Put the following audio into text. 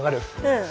うん。